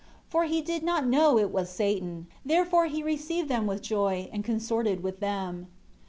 For he did not know it was Satan; therefore he received them with joy and consorted with them.